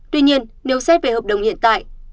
tuy nhiên nếu xét về huấn luyện viên chú siê